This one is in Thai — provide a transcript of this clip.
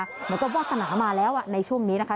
เหมือนกับวาสนามาแล้วในช่วงนี้นะคะ